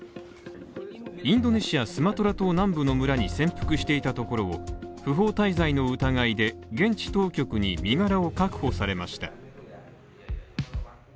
インドネシア・スマトラ島南部の村に潜伏していたところを不法滞在の疑いで現地当局に身柄を確保されました。